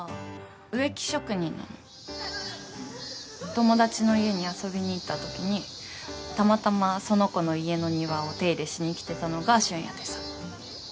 友達の家に遊びに行ったときにたまたまその子の家の庭を手入れしに来てたのが俊也でさ。